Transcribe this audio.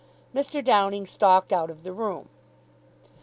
Mr. Downing stalked out of the room.